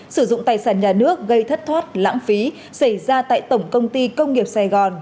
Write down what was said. sử dụng tài sản nhà nước gây thất thoát lãng phí xảy ra tại tổng công ty công nghiệp sài gòn